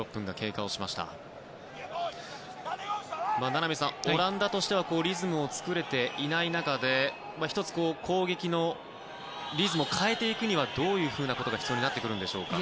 名波さん、オランダとしてはリズムを作れていない中で１つ、攻撃のリズムを変えていくにはどういうことが必要になるでしょうか。